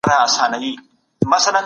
د دود او رواج زور اغېز نه درلود.